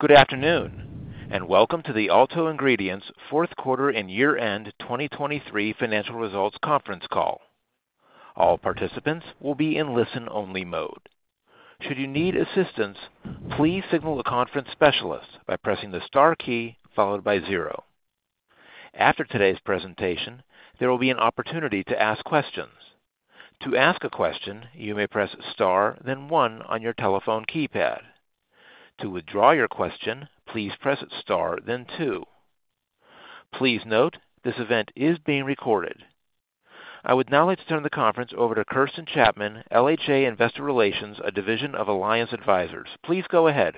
Good afternoon and welcome to the Alto Ingredients fourth quarter and year-end 2023 financial results conference call. All participants will be in listen-only mode. Should you need assistance, please signal the conference specialist by pressing the star key followed by zero. After today's presentation, there will be an opportunity to ask questions. To ask a question, you may press star then one on your telephone keypad. To withdraw your question, please press star then two. Please note, this event is being recorded. I would now like to turn the conference over to Kirsten Chapman, LHA Investor Relations, a division of Alliance Advisors. Please go ahead.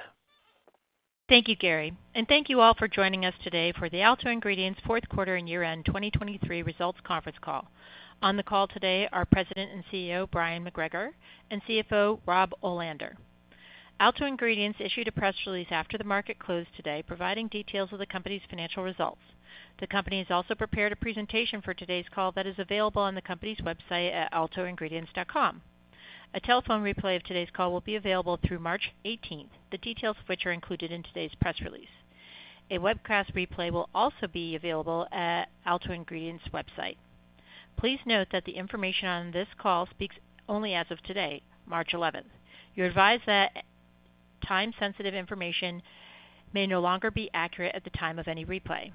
Thank you, Gary, and thank you all for joining us today for the Alto Ingredients fourth quarter and year-end 2023 results conference call. On the call today are President and CEO Bryon McGregor and CFO Rob Olander. Alto Ingredients issued a press release after the market closed today providing details of the company's financial results. The company has also prepared a presentation for today's call that is available on the company's website at altoingredients.com. A telephone replay of today's call will be available through March 18th, the details of which are included in today's press release. A webcast replay will also be available at Alto Ingredients' website. Please note that the information on this call speaks only as of today, March 11th. You're advised that time-sensitive information may no longer be accurate at the time of any replay.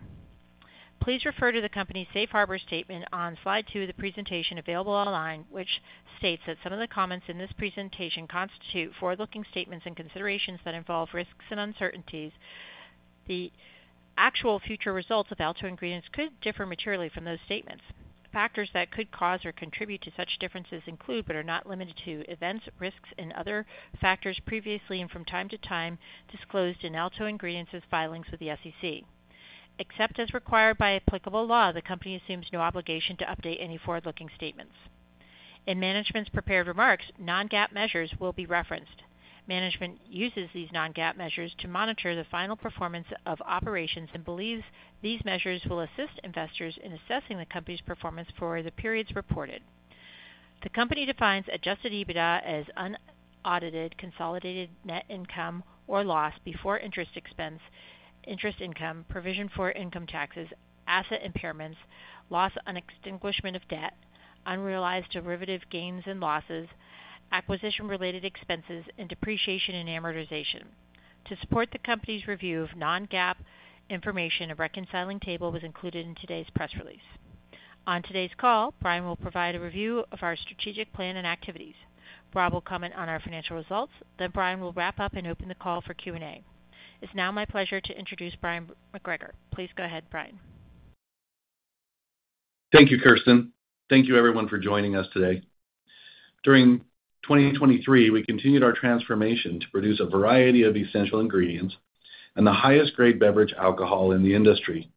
Please refer to the company's safe harbor statement on slide 2 of the presentation available online, which states that some of the comments in this presentation constitute forward-looking statements and considerations that involve risks and uncertainties. The actual future results of Alto Ingredients could differ materially from those statements. Factors that could cause or contribute to such differences include but are not limited to events, risks, and other factors previously and from time to time disclosed in Alto Ingredients' filings with the SEC. Except as required by applicable law, the company assumes no obligation to update any forward-looking statements. In management's prepared remarks, non-GAAP measures will be referenced. Management uses these non-GAAP measures to monitor the financial performance of operations and believes these measures will assist investors in assessing the company's performance for the periods reported. The company defines adjusted EBITDA as unaudited consolidated net income or loss before interest expense, interest income, provision for income taxes, asset impairments, loss on extinguishment of debt, unrealized derivative gains and losses, acquisition-related expenses, and depreciation and amortization. To support the company's review of non-GAAP information, a reconciling table was included in today's press release. On today's call, Bryon will provide a review of our strategic plan and activities. Rob will comment on our financial results, then Bryon will wrap up and open the call for Q&A. It's now my pleasure to introduce Bryon McGregor. Please go ahead, Bryon. Thank you, Kirsten. Thank you, everyone, for joining us today. During 2023, we continued our transformation to produce a variety of essential ingredients and the highest-grade beverage alcohol in the industry.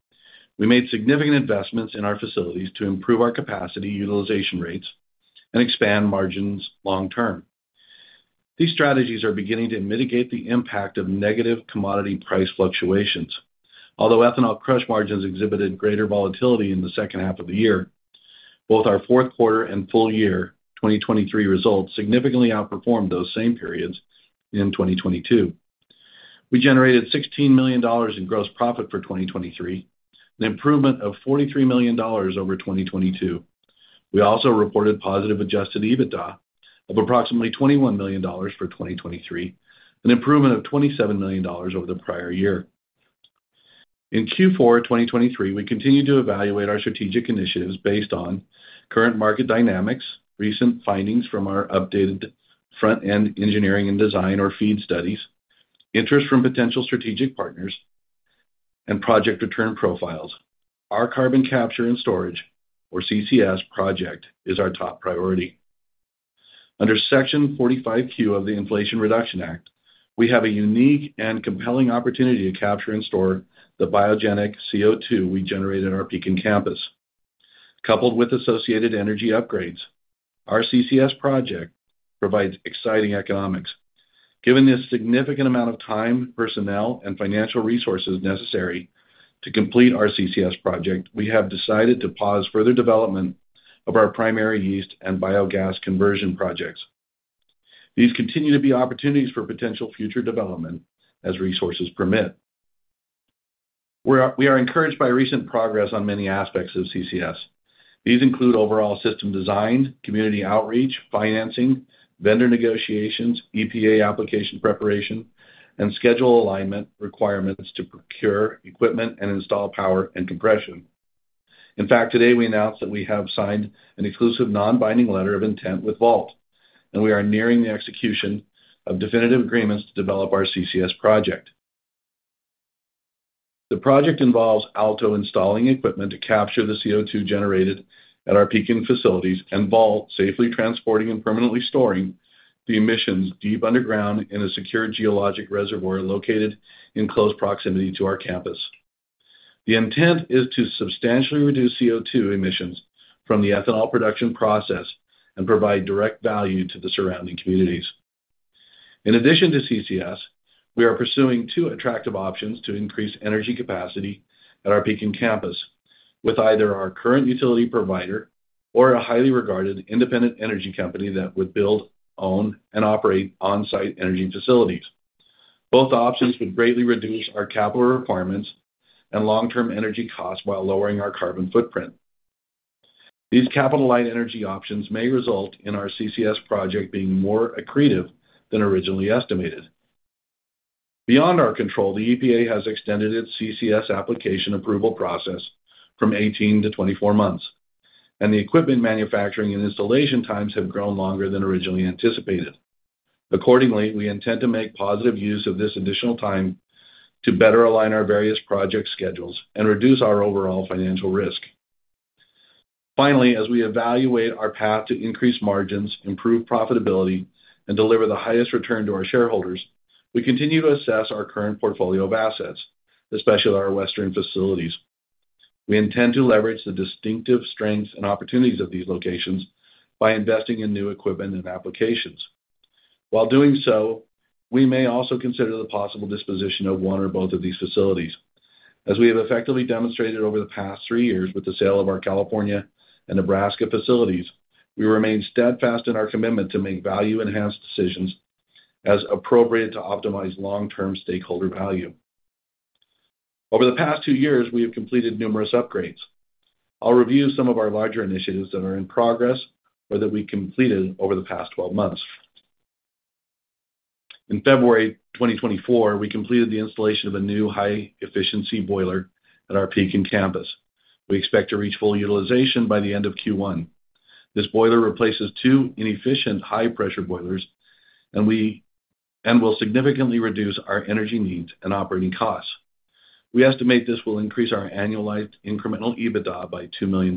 We made significant investments in our facilities to improve our capacity utilization rates and expand margins long term. These strategies are beginning to mitigate the impact of negative commodity price fluctuations. Although ethanol crush margins exhibited greater volatility in the second half of the year, both our fourth quarter and full year 2023 results significantly outperformed those same periods in 2022. We generated $16 million in gross profit for 2023, an improvement of $43 million over 2022. We also reported positive Adjusted EBITDA of approximately $21 million for 2023, an improvement of $27 million over the prior year. In Q4 2023, we continue to evaluate our strategic initiatives based on current market dynamics, recent findings from our updated front-end engineering and design or FEED studies, interest from potential strategic partners, and project return profiles. Our carbon capture and storage, or CCS project, is our top priority. Under Section 45Q of the Inflation Reduction Act, we have a unique and compelling opportunity to capture and store the biogenic CO2 we generate at our Pekin campus. Coupled with associated energy upgrades, our CCS project provides exciting economics. Given the significant amount of time, personnel, and financial resources necessary to complete our CCS project, we have decided to pause further development of our primary yeast and biogas conversion projects. These continue to be opportunities for potential future development as resources permit. We are encouraged by recent progress on many aspects of CCS. These include overall system design, community outreach, financing, vendor negotiations, EPA application preparation, and schedule alignment requirements to procure equipment and install power and compression. In fact, today we announced that we have signed an exclusive non-binding letter of intent with Vault 44.01, and we are nearing the execution of definitive agreements to develop our CCS project. The project involves Alto installing equipment to capture the CO2 generated at our Pekin facilities and Vault 44.01 safely transporting and permanently storing the emissions deep underground in a secure geologic reservoir located in close proximity to our campus. The intent is to substantially reduce CO2 emissions from the ethanol production process and provide direct value to the surrounding communities. In addition to CCS, we are pursuing two attractive options to increase energy capacity at our Pekin campus with either our current utility provider or a highly regarded independent energy company that would build, own, and operate on-site energy facilities. Both options would greatly reduce our capital requirements and long-term energy costs while lowering our carbon footprint. These capital-light energy options may result in our CCS project being more accretive than originally estimated. Beyond our control, the EPA has extended its CCS application approval process from 18-24 months, and the equipment manufacturing and installation times have grown longer than originally anticipated. Accordingly, we intend to make positive use of this additional time to better align our various project schedules and reduce our overall financial risk. Finally, as we evaluate our path to increase margins, improve profitability, and deliver the highest return to our shareholders, we continue to assess our current portfolio of assets, especially our western facilities. We intend to leverage the distinctive strengths and opportunities of these locations by investing in new equipment and applications. While doing so, we may also consider the possible disposition of one or both of these facilities. As we have effectively demonstrated over the past three years with the sale of our California and Nebraska facilities, we remain steadfast in our commitment to make value-enhanced decisions as appropriate to optimize long-term stakeholder value. Over the past two years, we have completed numerous upgrades. I'll review some of our larger initiatives that are in progress or that we completed over the past 12 months. In February 2024, we completed the installation of a new high-efficiency boiler at our Pekin campus. We expect to reach full utilization by the end of Q1. This boiler replaces two inefficient high-pressure boilers and will significantly reduce our energy needs and operating costs. We estimate this will increase our annualized incremental EBITDA by $2 million.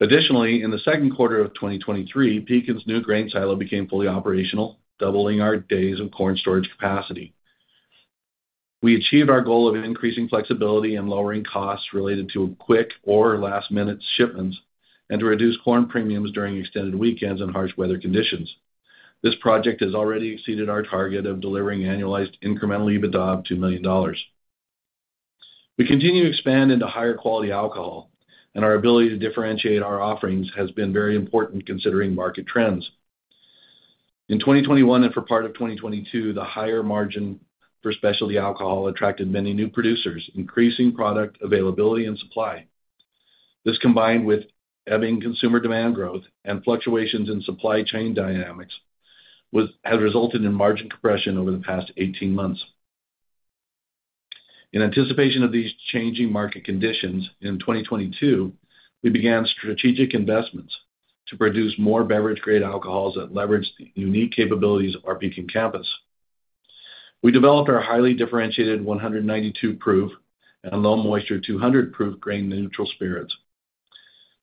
Additionally, in the second quarter of 2023, Pekin's new grain silo became fully operational, doubling our days of corn storage capacity. We achieved our goal of increasing flexibility and lowering costs related to quick or last-minute shipments and to reduce corn premiums during extended weekends and harsh weather conditions. This project has already exceeded our target of delivering annualized incremental EBITDA of $2 million. We continue to expand into higher-quality alcohol, and our ability to differentiate our offerings has been very important considering market trends. In 2021 and for part of 2022, the higher margin for specialty alcohol attracted many new producers, increasing product availability and supply. This combined with ebbing consumer demand growth and fluctuations in supply chain dynamics has resulted in margin compression over the past 18 months. In anticipation of these changing market conditions, in 2022, we began strategic investments to produce more beverage-grade alcohols that leverage the unique capabilities of our Pekin campus. We developed our highly differentiated 192-proof and low-moisture 200-proof grain-neutral spirits,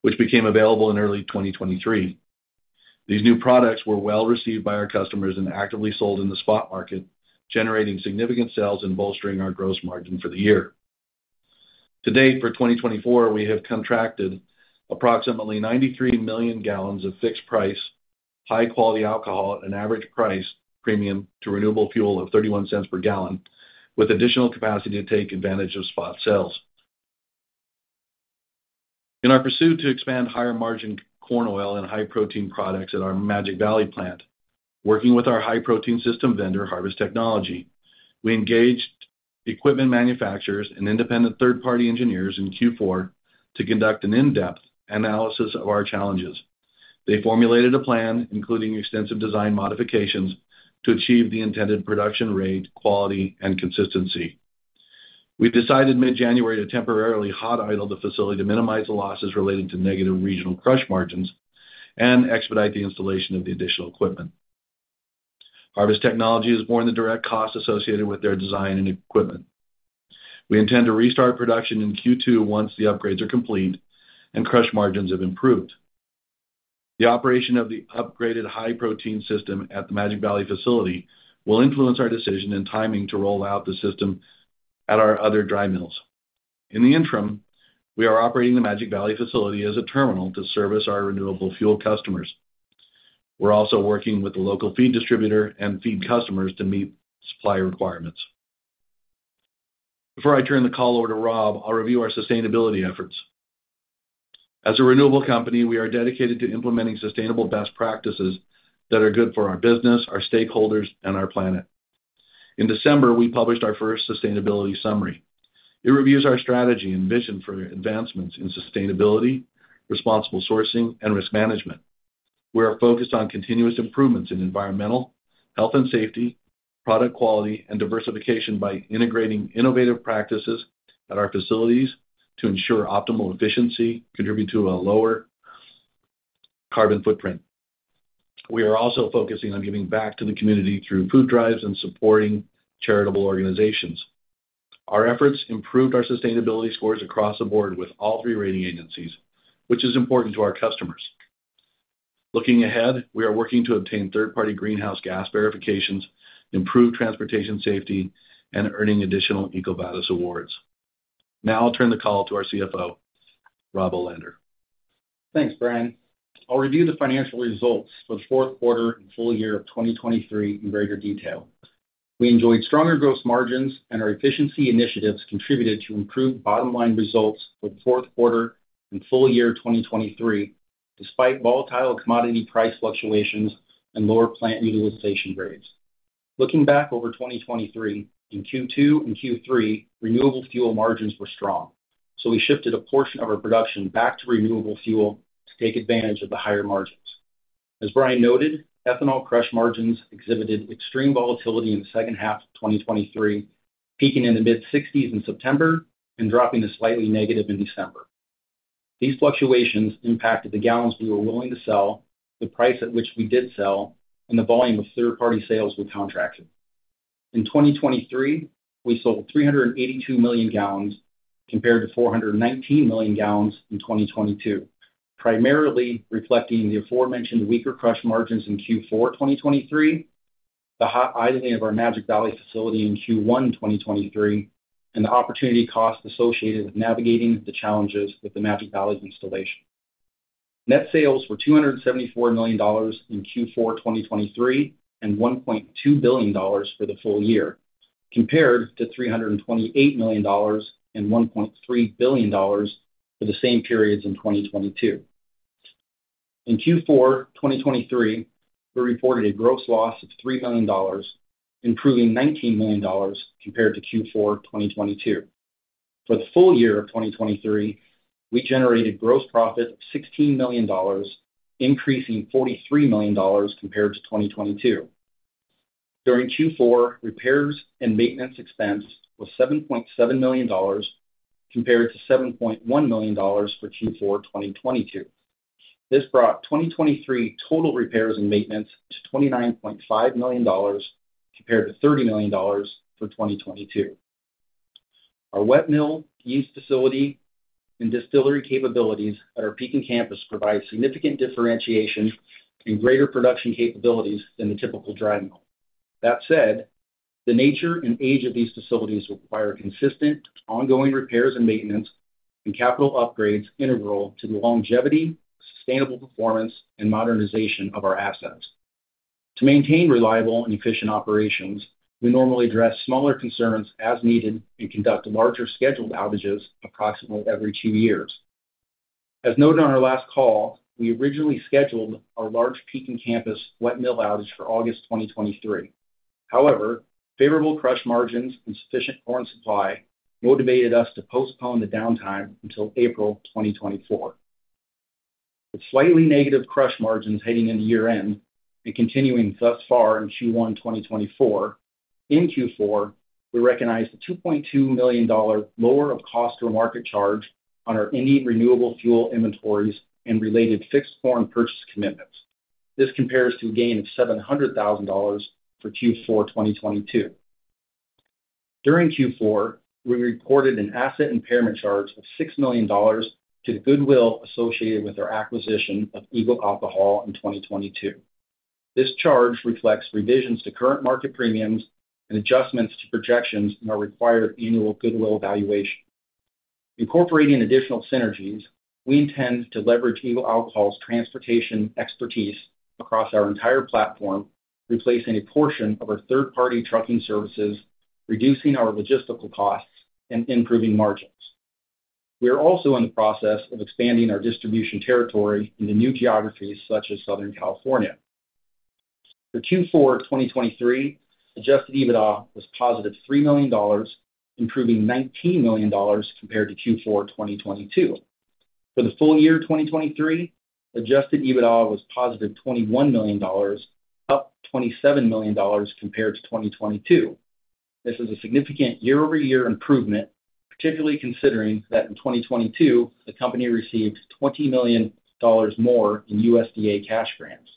which became available in early 2023. These new products were well received by our customers and actively sold in the spot market, generating significant sales and bolstering our gross margin for the year. Today, for 2024, we have contracted approximately 93 million gallons of fixed-price, high-quality alcohol at an average price premium to renewable fuel of $0.31 per gallon, with additional capacity to take advantage of spot sales. In our pursuit to expand higher-margin corn oil and high-protein products at our Magic Valley plant, working with our high-protein system vendor, Harvest Technology, we engaged equipment manufacturers and independent third-party engineers in Q4 to conduct an in-depth analysis of our challenges. They formulated a plan, including extensive design modifications, to achieve the intended production rate, quality, and consistency. We decided mid-January to temporarily hot idle the facility to minimize the losses related to negative regional crush margins and expedite the installation of the additional equipment. Harvest Technology has borne the direct costs associated with their design and equipment. We intend to restart production in Q2 once the upgrades are complete and crush margins have improved. The operation of the upgraded high-protein system at the Magic Valley facility will influence our decision and timing to roll out the system at our other dry mills. In the interim, we are operating the Magic Valley facility as a terminal to service our renewable fuel customers. We're also working with the local feed distributor and feed customers to meet supply requirements. Before I turn the call over to Rob, I'll review our sustainability efforts. As a renewable company, we are dedicated to implementing sustainable best practices that are good for our business, our stakeholders, and our planet. In December, we published our first sustainability summary. It reviews our strategy and vision for advancements in sustainability, responsible sourcing, and risk management. We are focused on continuous improvements in environmental, health, and safety, product quality, and diversification by integrating innovative practices at our facilities to ensure optimal efficiency, contribute to a lower carbon footprint. We are also focusing on giving back to the community through food drives and supporting charitable organizations. Our efforts improved our sustainability scores across the board with all three rating agencies, which is important to our customers. Looking ahead, we are working to obtain third-party greenhouse gas verifications, improve transportation safety, and earn additional EcoVadis awards. Now I'll turn the call to our CFO, Rob Olander. Thanks, Bryon. I'll review the financial results for the fourth quarter and full year of 2023 in greater detail. We enjoyed stronger gross margins, and our efficiency initiatives contributed to improved bottom-line results for the fourth quarter and full year 2023 despite volatile commodity price fluctuations and lower plant utilization rates. Looking back over 2023, in Q2 and Q3, renewable fuel margins were strong, so we shifted a portion of our production back to renewable fuel to take advantage of the higher margins. As Bryon noted, ethanol crush margins exhibited extreme volatility in the second half of 2023, peaking in the mid-60s in September and dropping to slightly negative in December. These fluctuations impacted the gallons we were willing to sell, the price at which we did sell, and the volume of third-party sales we contracted. In 2023, we sold 382 million gallons compared to 419 million gallons in 2022, primarily reflecting the aforementioned weaker crush margins in Q4 2023, the hot idling of our Magic Valley facility in Q1 2023, and the opportunity costs associated with navigating the challenges with the Magic Valley's installation. Net sales were $274 million in Q4 2023 and $1.2 billion for the full year, compared to $328 million and $1.3 billion for the same periods in 2022. In Q4 2023, we reported a gross loss of $3 million, improving $19 million compared to Q4 2022. For the full year of 2023, we generated gross profit of $16 million, increasing $43 million compared to 2022. During Q4, repairs and maintenance expense was $7.7 million compared to $7.1 million for Q4 2022. This brought 2023 total repairs and maintenance to $29.5 million compared to $30 million for 2022. Our wet mill, yeast facility, and distillery capabilities at our Pekin campus provide significant differentiation and greater production capabilities than the typical dry mill. That said, the nature and age of these facilities require consistent, ongoing repairs and maintenance, and capital upgrades integral to the longevity, sustainable performance, and modernization of our assets. To maintain reliable and efficient operations, we normally address smaller concerns as needed and conduct larger scheduled outages approximately every two years. As noted on our last call, we originally scheduled our large Pekin campus wet mill outage for August 2023. However, favorable crush margins and sufficient corn supply motivated us to postpone the downtime until April 2024. With slightly negative crush margins heading into year-end and continuing thus far in Q1 2024, in Q4, we recognized a $2.2 million lower of cost-to-market charge on our Idaho renewable fuel inventories and related fixed corn purchase commitments. This compares to a gain of $700,000 for Q4 2022. During Q4, we reported an asset impairment charge of $6 million to the goodwill associated with our acquisition of Eagle Alcohol in 2022. This charge reflects revisions to current market premiums and adjustments to projections in our required annual goodwill valuation. Incorporating additional synergies, we intend to leverage Eagle Alcohol's transportation expertise across our entire platform, replacing a portion of our third-party trucking services, reducing our logistical costs, and improving margins. We are also in the process of expanding our distribution territory into new geographies such as Southern California. For Q4 2023, Adjusted EBITDA was positive $3 million, improving $19 million compared to Q4 2022. For the full year 2023, Adjusted EBITDA was positive $21 million, up $27 million compared to 2022. This is a significant year-over-year improvement, particularly considering that in 2022, the company received $20 million more in USDA cash grants.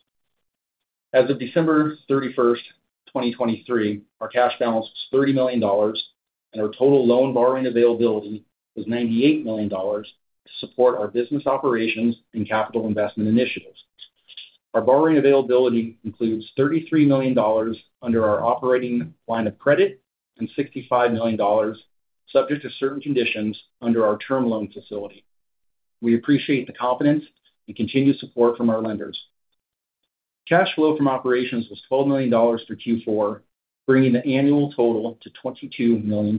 As of December 31st, 2023, our cash balance was $30 million, and our total loan borrowing availability was $98 million to support our business operations and capital investment initiatives. Our borrowing availability includes $33 million under our operating line of credit and $65 million, subject to certain conditions, under our term loan facility. We appreciate the confidence and continued support from our lenders. Cash flow from operations was $12 million for Q4, bringing the annual total to $22 million.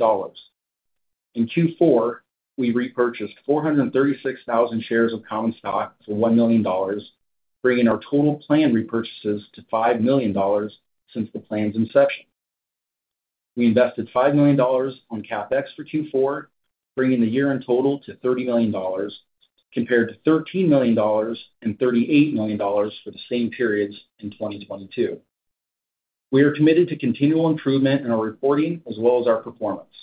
In Q4, we repurchased 436,000 shares of common stock for $1 million, bringing our total plan repurchases to $5 million since the plan's inception. We invested $5 million on CapEx for Q4, bringing the year-end total to $30 million compared to $13 million and $38 million for the same periods in 2022. We are committed to continual improvement in our reporting as well as our performance.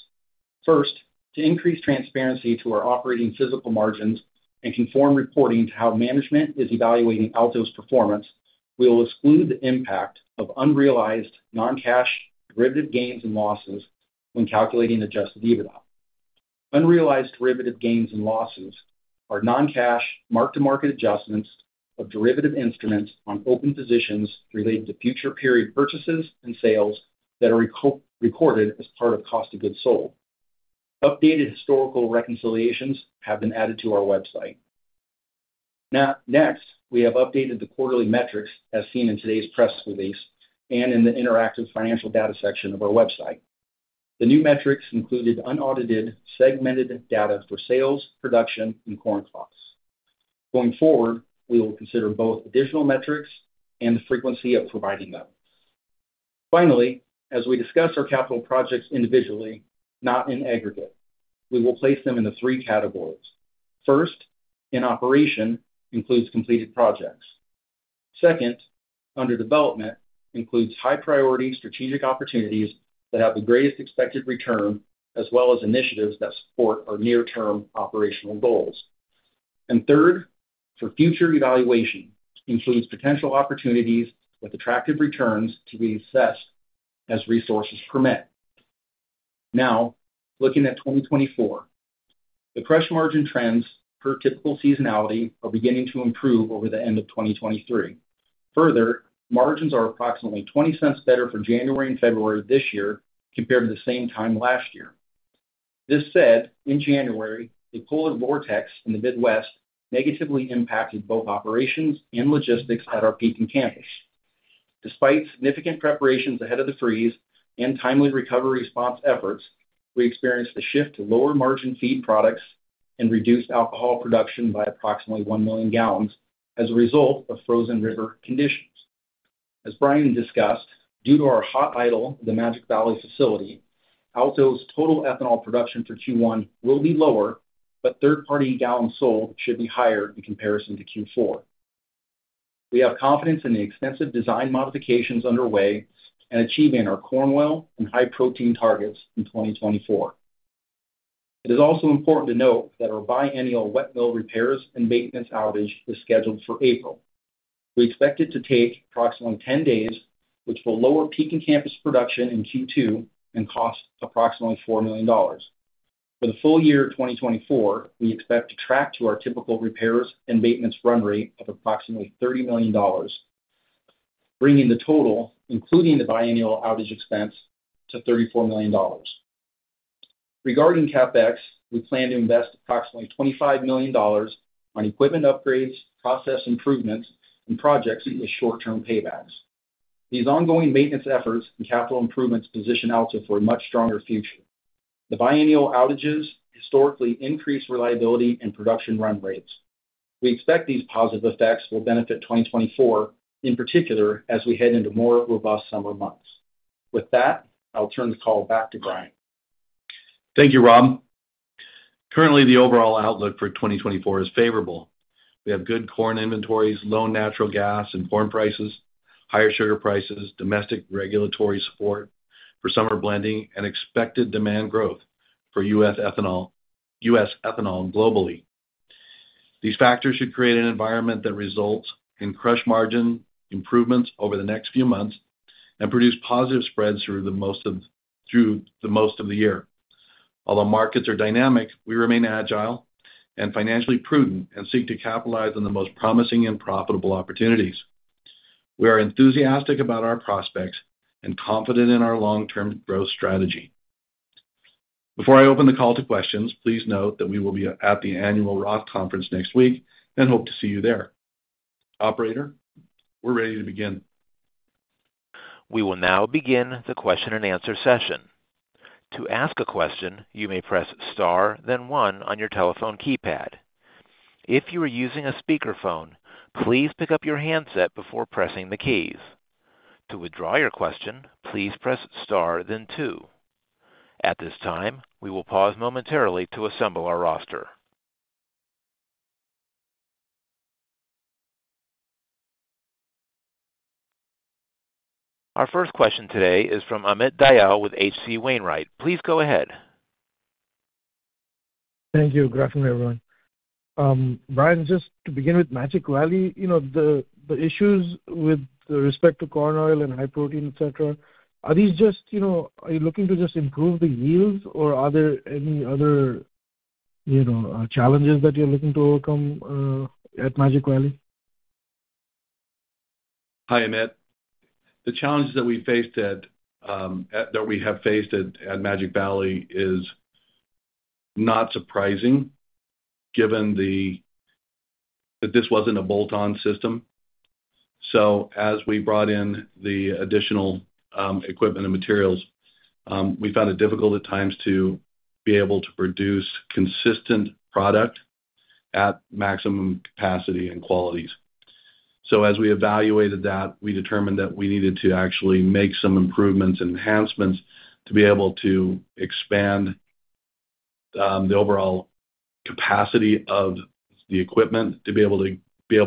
First, to increase transparency to our operating physical margins and conform reporting to how management is evaluating Alto's performance, we will exclude the impact of unrealized non-cash derivative gains and losses when calculating adjusted EBITDA. Unrealized derivative gains and losses are non-cash mark-to-market adjustments of derivative instruments on open positions related to future period purchases and sales that are recorded as part of cost of goods sold. Updated historical reconciliations have been added to our website. Next, we have updated the quarterly metrics as seen in today's press release and in the interactive financial data section of our website. The new metrics included unaudited segmented data for sales, production, and corn costs. Going forward, we will consider both additional metrics and the frequency of providing them. Finally, as we discuss our capital projects individually, not in aggregate, we will place them in the three categories. First, in operation, includes completed projects. Second, under development, includes high-priority strategic opportunities that have the greatest expected return as well as initiatives that support our near-term operational goals. Third, for future evaluation, includes potential opportunities with attractive returns to be assessed as resources permit. Now, looking at 2024, the crush margin trends per typical seasonality are beginning to improve over the end of 2023. Further, margins are approximately $0.20 better for January and February this year compared to the same time last year. That said, in January, a polar vortex in the Midwest negatively impacted both operations and logistics at our Pekin campus. Despite significant preparations ahead of the freeze and timely recovery response efforts, we experienced a shift to lower-margin feed products and reduced alcohol production by approximately 1 million gallons as a result of frozen river conditions. As Bryon discussed, due to our hot idle of the Magic Valley facility, Alto's total ethanol production for Q1 will be lower, but third-party gallons sold should be higher in comparison to Q4. We have confidence in the extensive design modifications underway and achieving our corn oil and high-protein targets in 2024. It is also important to note that our biannual wet mill repairs and maintenance outage is scheduled for April. We expect it to take approximately 10 days, which will lower Pekin campus production in Q2 and cost approximately $4 million. For the full year 2024, we expect to track to our typical repairs and maintenance run rate of approximately $30 million, bringing the total, including the biannual outage expense, to $34 million. Regarding CapEx, we plan to invest approximately $25 million on equipment upgrades, process improvements, and projects with short-term paybacks. These ongoing maintenance efforts and capital improvements position Alto for a much stronger future. The biannual outages historically increase reliability and production run rates. We expect these positive effects will benefit 2024, in particular as we head into more robust summer months. With that, I'll turn the call back to Bryon. Thank you, Rob. Currently, the overall outlook for 2024 is favorable. We have good corn inventories, low natural gas and corn prices, higher sugar prices, domestic regulatory support for summer blending, and expected demand growth for U.S. ethanol globally. These factors should create an environment that results in crush margin improvements over the next few months and produce positive spreads through the most of the year. Although markets are dynamic, we remain agile and financially prudent and seek to capitalize on the most promising and profitable opportunities. We are enthusiastic about our prospects and confident in our long-term growth strategy. Before I open the call to questions, please note that we will be at the annual Roth Conference next week and hope to see you there. Operator, we're ready to begin. We will now begin the question-and-answer session. To ask a question, you may press star, then one, on your telephone keypad. If you are using a speakerphone, please pick up your handset before pressing the keys. To withdraw your question, please press star, then two. At this time, we will pause momentarily to assemble our roster. Our first question today is from Amit Dayal with HC Wainwright. Please go ahead. Thank you, Graham, everyone. Bryon, just to begin with Magic Valley, the issues with respect to corn oil and high protein, etc., are these just, are you looking to just improve the yields, or are there any other challenges that you're looking to overcome at Magic Valley? Hi, Amit. The challenges that we faced at Magic Valley is not surprising given that this wasn't a bolt-on system. So as we brought in the additional equipment and materials, we found it difficult at times to be able to produce consistent product at maximum capacity and qualities. So as we evaluated that, we determined that we needed to actually make some improvements and enhancements to be able to expand the overall capacity of the equipment, to be able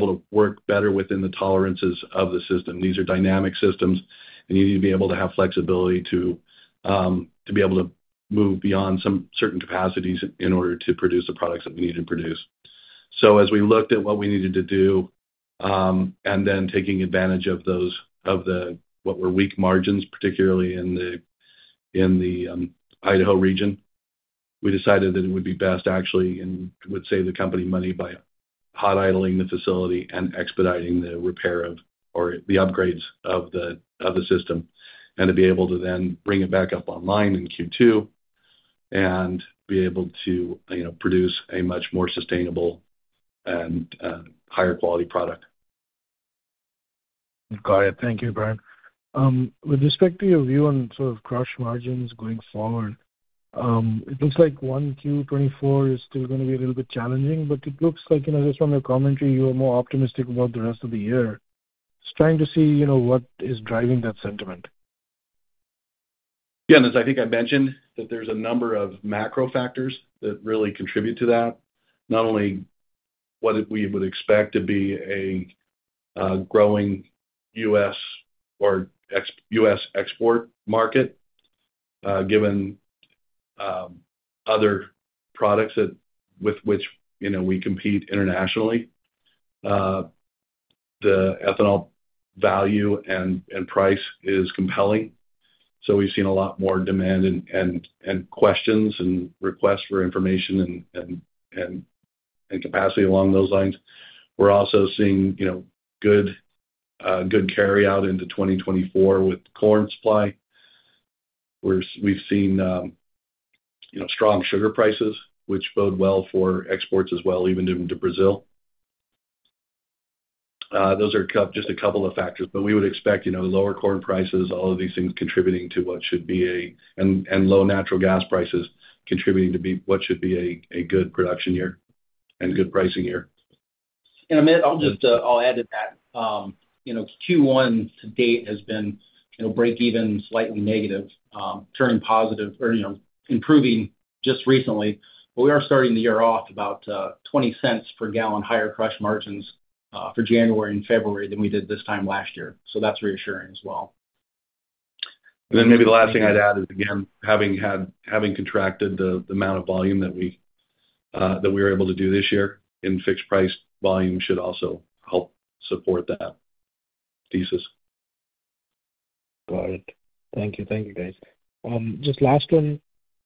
to work better within the tolerances of the system. These are dynamic systems, and you need to be able to have flexibility to be able to move beyond some certain capacities in order to produce the products that we need to produce. So, as we looked at what we needed to do and then taking advantage of what were weak margins, particularly in the Idaho region, we decided that it would be best, actually, and would save the company money by hot idling the facility and expediting the repair of or the upgrades of the system and to be able to then bring it back up online in Q2 and be able to produce a much more sustainable and higher-quality product. Got it. Thank you, Bryon. With respect to your view on sort of crush margins going forward, it looks like 1Q24 is still going to be a little bit challenging, but it looks like, just from your commentary, you are more optimistic about the rest of the year. Just trying to see what is driving that sentiment. Yeah. And as I think I mentioned, that there's a number of macro factors that really contribute to that, not only what we would expect to be a growing U.S. export market given other products with which we compete internationally. The ethanol value and price is compelling. So we've seen a lot more demand and questions and requests for information and capacity along those lines. We're also seeing good carryout into 2024 with corn supply. We've seen strong sugar prices, which bode well for exports as well, even to Brazil. Those are just a couple of factors, but we would expect lower corn prices and low natural gas prices, all of these things contributing to what should be a good production year and good pricing year. Amit, I'll add to that. Q1 to date has been breakeven, slightly negative, turning positive or improving just recently, but we are starting the year off about $0.20 per gallon higher crush margins for January and February than we did this time last year. That's reassuring as well. And then maybe the last thing I'd add is, again, having contracted the amount of volume that we were able to do this year in fixed-price volume should also help support that thesis. Got it. Thank you. Thank you, guys. Just last one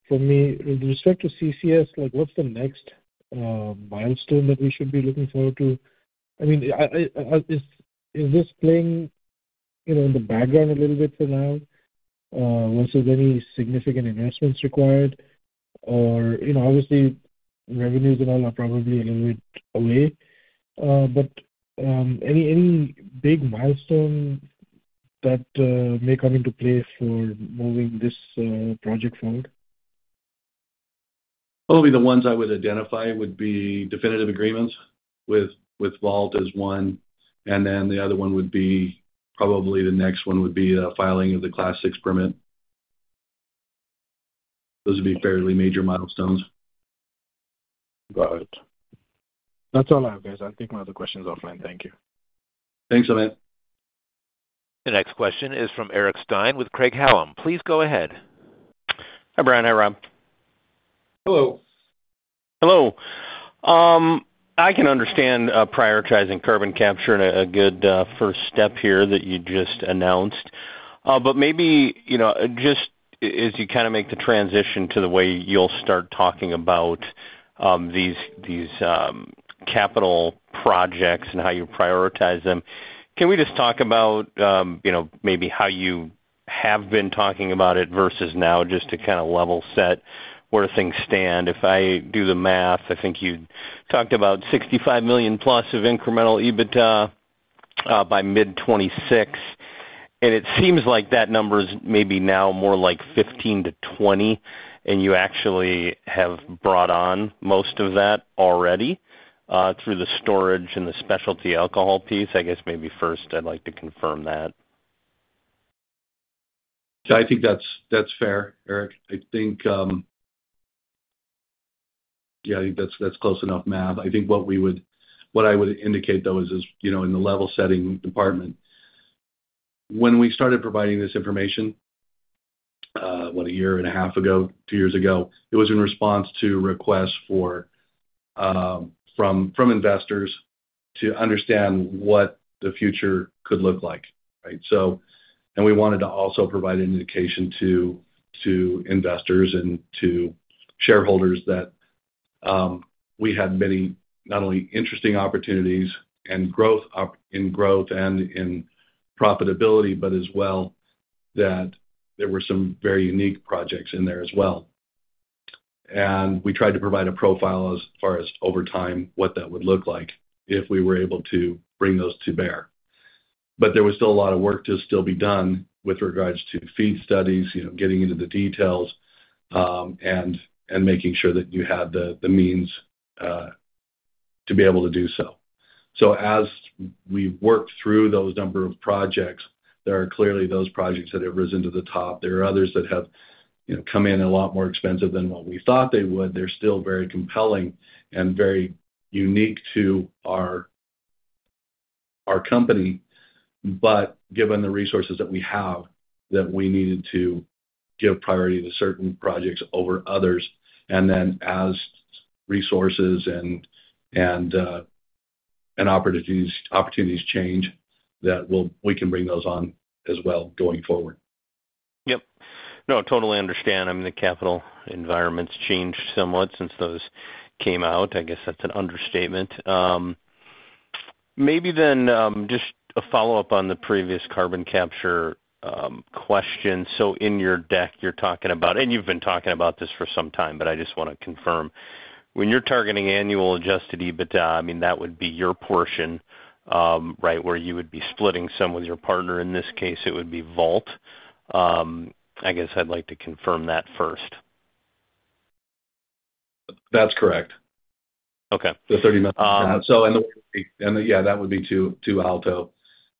for me. With respect to CCS, what's the next milestone that we should be looking forward to? I mean, is this playing in the background a little bit for now versus any significant investments required? Obviously, revenues and all are probably a little bit away, but any big milestone that may come into play for moving this project forward? Probably the ones I would identify would be definitive agreements with Vault as one, and then the other one would be probably the next one, the filing of the Class VI permit. Those would be fairly major milestones. Got it. That's all I have, guys. I'll take my other questions offline. Thank you. Thanks, Amit. The next question is from Eric Stine with Craig-Hallum. Please go ahead. Hi, Bryon. Hi, Rob. Hello. Hello. I can understand prioritizing carbon capture and a good first step here that you just announced, but maybe just as you kind of make the transition to the way you'll start talking about these capital projects and how you prioritize them, can we just talk about maybe how you have been talking about it versus now, just to kind of level set where things stand? If I do the math, I think you talked about $65 million-plus of incremental EBITDA by mid-2026, and it seems like that number is maybe now more like $15 million-$20 million, and you actually have brought on most of that already through the storage and the specialty alcohol piece. I guess maybe first, I'd like to confirm that. Yeah, I think that's fair, Eric. Yeah, I think that's close enough math. I think what I would indicate, though, is in the level-setting department, when we started providing this information, what, 1.5 years ago, 2 years ago, it was in response to requests from investors to understand what the future could look like, right? And we wanted to also provide an indication to investors and to shareholders that we had not only interesting opportunities in growth and in profitability, but as well that there were some very unique projects in there as well. And we tried to provide a profile as far as over time what that would look like if we were able to bring those to bear. But there was still a lot of work to still be done with regards to FEED studies, getting into the details, and making sure that you had the means to be able to do so. So as we worked through those number of projects, there are clearly those projects that have risen to the top. There are others that have come in a lot more expensive than what we thought they would. They're still very compelling and very unique to our company, but given the resources that we have, that we needed to give priority to certain projects over others. And then as resources and opportunities change, that we can bring those on as well going forward. Yep. No, totally understand. I mean, the capital environment has changed somewhat since those came out. I guess that's an understatement. Maybe then just a follow-up on the previous carbon capture question. So in your deck, you're talking about and you've been talking about this for some time, but I just want to confirm. When you're targeting annual Adjusted EBITDA, I mean, that would be your portion, right, where you would be splitting some with your partner. In this case, it would be Vault. I guess I'd like to confirm that first. That's correct. The 30-month percentile. And yeah, that would be to Alto.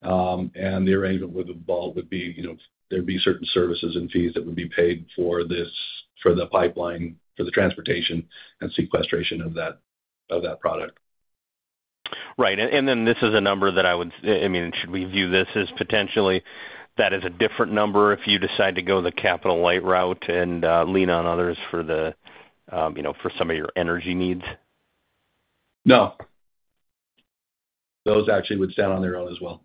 And the arrangement with Vault would be there'd be certain services and fees that would be paid for the pipeline, for the transportation and sequestration of that product. Right. And then this is a number that I would—I mean, should we view this as potentially that is a different number if you decide to go the capital light route and lean on others for some of your energy needs? No. Those actually would stand on their own as well.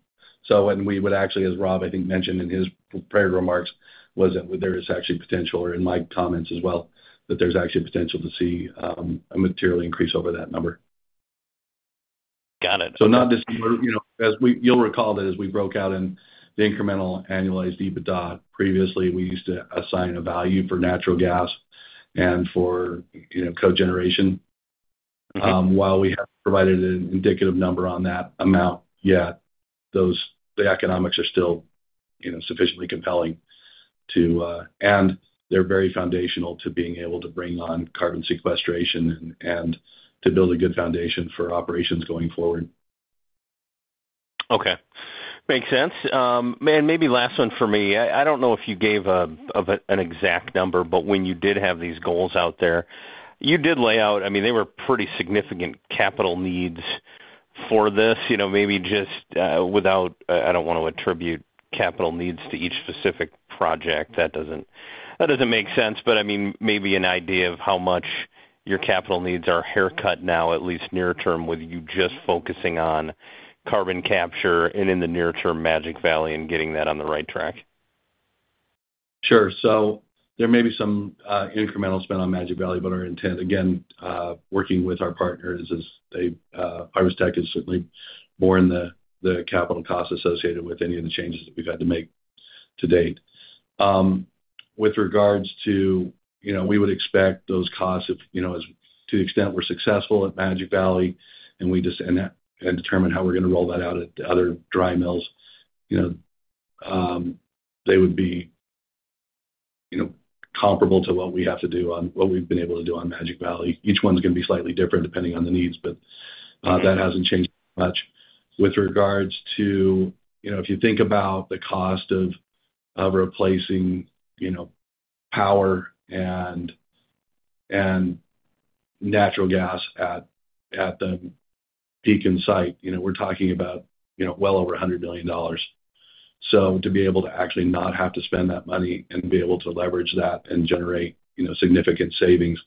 And we would actually, as Rob, I think, mentioned in his prior remarks, was that there is actually potential or in my comments as well, that there's actually potential to see a materially increase over that number. Got it. So not just as you'll recall that as we broke out in the incremental annualized EBITDA, previously, we used to assign a value for natural gas and for cogeneration. While we haven't provided an indicative number on that amount yet, the economics are still sufficiently compelling to and they're very foundational to being able to bring on carbon sequestration and to build a good foundation for operations going forward. Okay. Makes sense. And maybe last one for me. I don't know if you gave an exact number, but when you did have these goals out there, you did lay out—I mean, they were pretty significant capital needs for this. Maybe just without—I don't want to attribute capital needs to each specific project. That doesn't make sense, but I mean, maybe an idea of how much your capital needs are haircut now, at least near term, with you just focusing on carbon capture and in the near term, Magic Valley and getting that on the right track. Sure. So there may be some incremental spend on Magic Valley, but our intent, again, working with our partners as Harvest Tech is certainly more in the capital costs associated with any of the changes that we've had to make to date. With regards to we would expect those costs to the extent we're successful at Magic Valley and determine how we're going to roll that out at the other dry mills, they would be comparable to what we have to do on what we've been able to do on Magic Valley. Each one's going to be slightly different depending on the needs, but that hasn't changed much. With regards to if you think about the cost of replacing power and natural gas at the Pekin site, we're talking about well over $100 million. So to be able to actually not have to spend that money and be able to leverage that and generate significant savings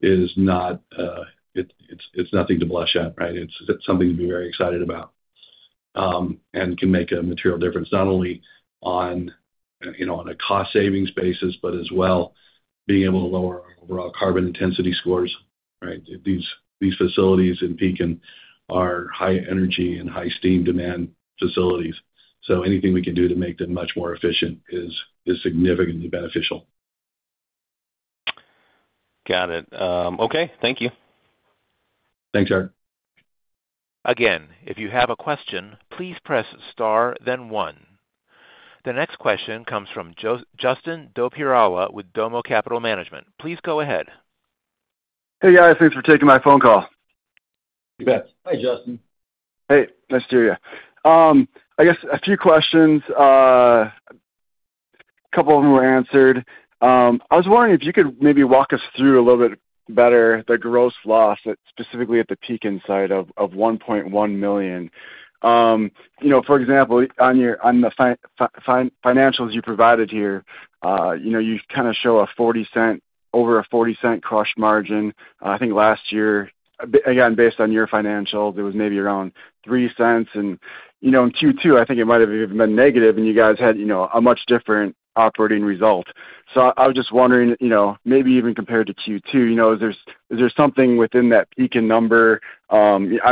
is not, it's nothing to blush at, right? It's something to be very excited about and can make a material difference, not only on a cost-savings basis, but as well being able to lower our overall carbon intensity scores, right? These facilities in Pekin are high-energy and high-steam demand facilities. So anything we can do to make them much more efficient is significantly beneficial. Got it. Okay. Thank you. Thanks, Eric. Again, if you have a question, please press star, then one. The next question comes from Justin Dopierala with Domo Capital Management. Please go ahead. Hey, guys. Thanks for taking my phone call. You bet. Hi, Justin. Hey. Nice to hear you. I guess a few questions. A couple of them were answered. I was wondering if you could maybe walk us through a little bit better the gross loss specifically at the Pekin side of $1.1 million. For example, on the financials you provided here, you kind of show over a $0.40 crush margin. I think last year, again, based on your financials, it was maybe around $0.03. And in Q2, I think it might have even been negative, and you guys had a much different operating result. So I was just wondering, maybe even compared to Q2, is there something within that Pekin number? I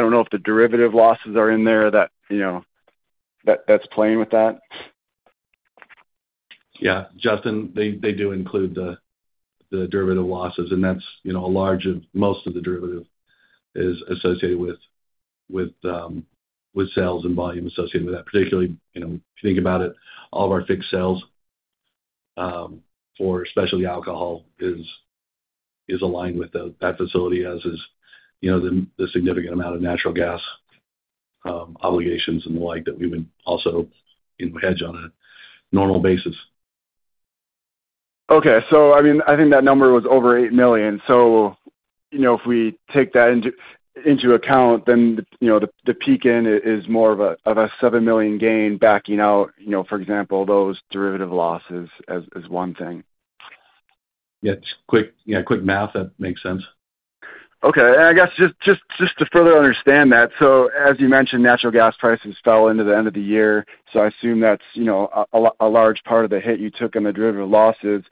don't know if the derivative losses are in there that's playing with that. Yeah. Justin, they do include the derivative losses, and most of the derivative is associated with sales and volume associated with that. Particularly, if you think about it, all of our fixed sales for specialty alcohol is aligned with that facility as is the significant amount of natural gas obligations and the like that we would also hedge on a normal basis. Okay. So I mean, I think that number was over $8 million. So if we take that into account, then Pekin is more of a $7 million gain backing out, for example, those derivative losses as one thing. Yeah. Quick math that makes sense. Okay. I guess just to further understand that, as you mentioned, natural gas prices fell into the end of the year. I assume that's a large part of the hit you took on the derivative losses.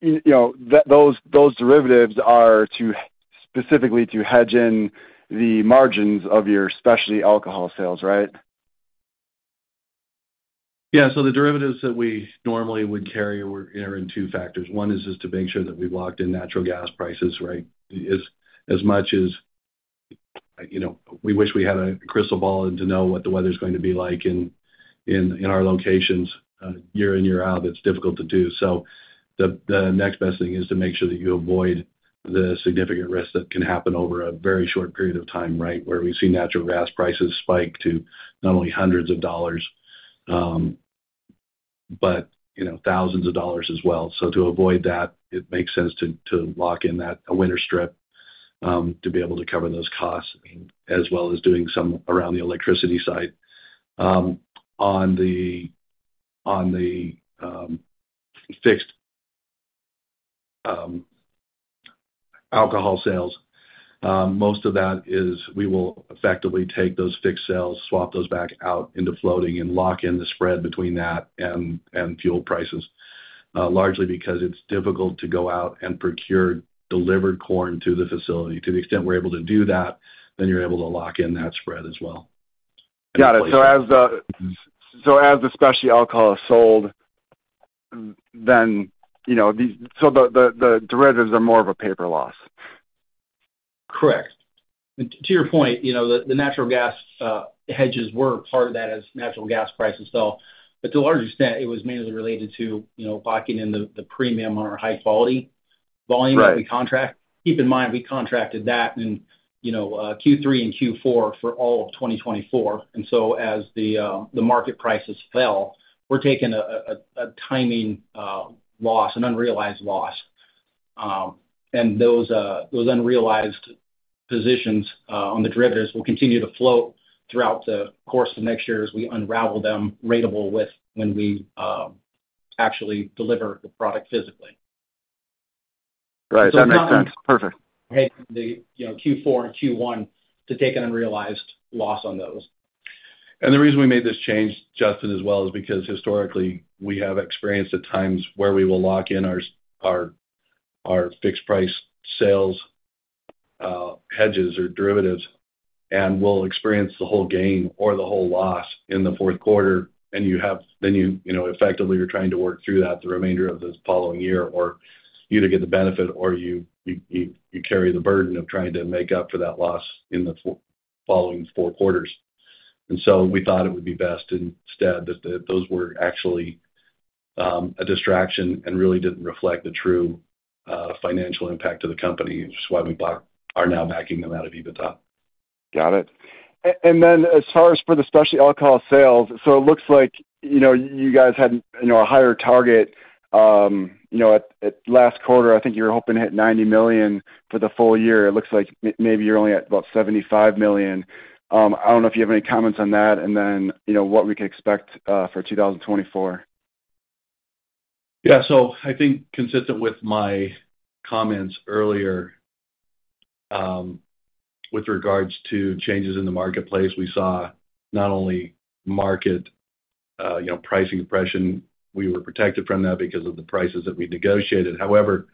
Those derivatives are specifically to hedge in the margins of your specialty alcohol sales, right? Yeah. So the derivatives that we normally would carry are in two factors. One is just to make sure that we've locked in natural gas prices, right? As much as we wish we had a crystal ball and to know what the weather's going to be like in our locations year in, year out, it's difficult to do. So the next best thing is to make sure that you avoid the significant risks that can happen over a very short period of time, right, where we've seen natural gas prices spike to not only hundreds of dollars, but thousands of dollars as well. So to avoid that, it makes sense to lock in that winter strip to be able to cover those costs as well as doing some around the electricity site. On the fixed alcohol sales, most of that is we will effectively take those fixed sales, swap those back out into floating, and lock in the spread between that and fuel prices, largely because it's difficult to go out and procure delivered corn to the facility. To the extent we're able to do that, then you're able to lock in that spread as well. Got it. So as the specialty alcohol is sold, then so the derivatives are more of a paper loss. Correct. And to your point, the natural gas hedges were part of that as natural gas prices fell. But to a large extent, it was mainly related to locking in the premium on our high-quality volume that we contract. Keep in mind, we contracted that in Q3 and Q4 for all of 2024. And so as the market prices fell, we're taking a timing loss, an unrealized loss. And those unrealized positions on the derivatives will continue to float throughout the course of next year as we unravel them ratably when we actually deliver the product physically. Right. That makes sense. Perfect. To hedge the Q4 and Q1 to take an unrealized loss on those. The reason we made this change, Justin, as well, is because historically, we have experienced at times where we will lock in our fixed-price sales hedges or derivatives, and we'll experience the whole gain or the whole loss in the fourth quarter, and then you effectively are trying to work through that the remainder of the following year, or you either get the benefit or you carry the burden of trying to make up for that loss in the following four quarters. So we thought it would be best instead that those were actually a distraction and really didn't reflect the true financial impact to the company, which is why we are now backing them out of EBITDA. Got it. And then as far as for the specialty alcohol sales, so it looks like you guys had a higher target. At last quarter, I think you were hoping to hit $90 million for the full year. It looks like maybe you're only at about $75 million. I don't know if you have any comments on that and then what we can expect for 2024. Yeah. So, I think, consistent with my comments earlier with regards to changes in the marketplace, we saw not only market pricing depression. We were protected from that because of the prices that we negotiated. However,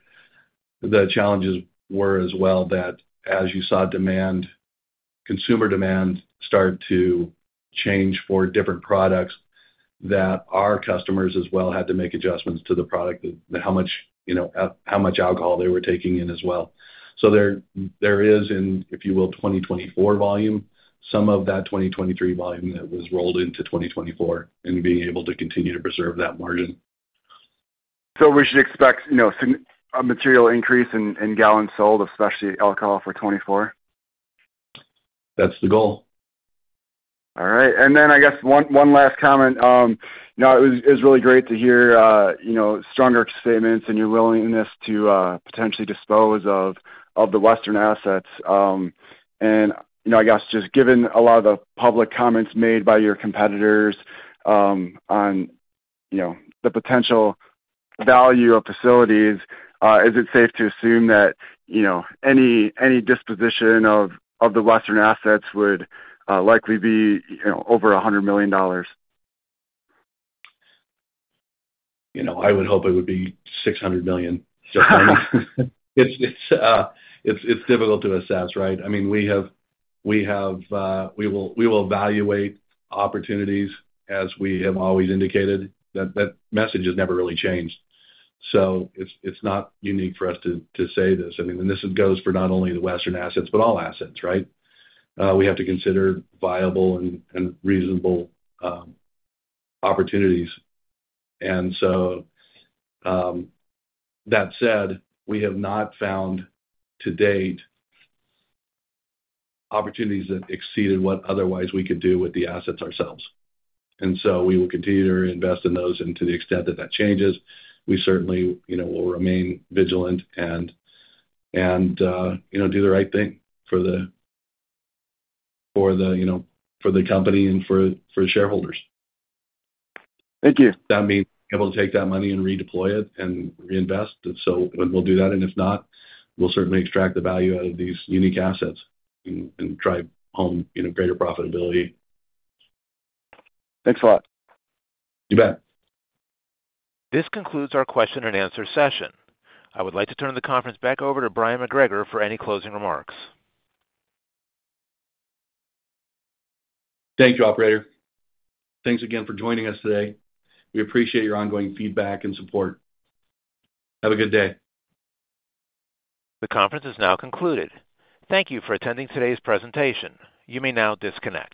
the challenges were as well that, as you saw, consumer demand start to change for different products, that our customers as well had to make adjustments to the product, how much alcohol they were taking in as well. So there is, if you will, 2024 volume, some of that 2023 volume that was rolled into 2024 and being able to continue to preserve that margin. We should expect a material increase in gallons sold of specialty alcohol for 2024? That's the goal. All right. And then I guess one last comment. Now, it was really great to hear stronger statements and your willingness to potentially dispose of the Western assets. And I guess just given a lot of the public comments made by your competitors on the potential value of facilities, is it safe to assume that any disposition of the Western assets would likely be over $100 million? I would hope it would be $600 million, Justin. It's difficult to assess, right? I mean, we will evaluate opportunities as we have always indicated. That message has never really changed. So it's not unique for us to say this. I mean, and this goes for not only the Western assets, but all assets, right? We have to consider viable and reasonable opportunities. And so that said, we have not found to date opportunities that exceeded what otherwise we could do with the assets ourselves. And so we will continue to invest in those and to the extent that that changes, we certainly will remain vigilant and do the right thing for the company and for the shareholders. Thank you. That means being able to take that money and redeploy it and reinvest. And so we'll do that. And if not, we'll certainly extract the value out of these unique assets and drive home greater profitability. Thanks a lot. You bet. This concludes our question-and-answer session. I would like to turn the conference back over to Bryon McGregor for any closing remarks. Thank you, operator. Thanks again for joining us today. We appreciate your ongoing feedback and support. Have a good day. The conference is now concluded. Thank you for attending today's presentation. You may now disconnect.